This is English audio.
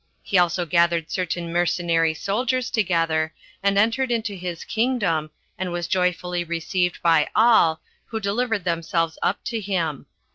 He also gathered certain mercenary soldiers together, and entered into his kingdom, and was joyfully received by all, who delivered themselves up to him.